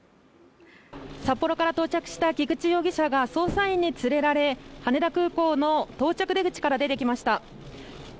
札幌から到着した菊池容疑者が捜査員に連れられ、羽田空港の到着出口から出てきました。